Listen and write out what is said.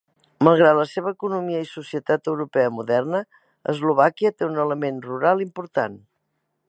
Malgrat la seva economia i societat europea moderna, Eslovàquia té un element rural important.